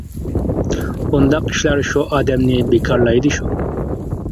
بۇنداق ئىشلار شۇ ئادەمنى بىكارلايدۇ شۇ.